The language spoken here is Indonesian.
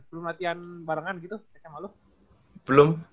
belum latihan barengan gitu sama lu